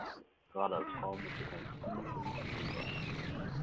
Gerade als Frau muss das eine ziemliche Umstellung sein.